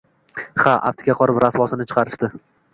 Ha, apteka qurib, rasvosini chiqarishdi.